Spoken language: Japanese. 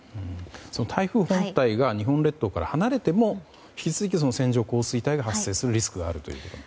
台風本体が日本列島から離れても引き続き線状降水帯が発生するリスクがあると？